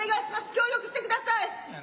協力してください。